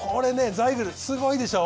ザイグルすごいでしょ。